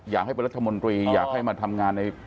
อยากให้เป็นรัฐมนตรีอยากให้มาทำงานใน